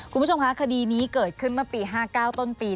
คุณผู้ชมคะคดีนี้เกิดขึ้นเมื่อปี๕๙ต้นปี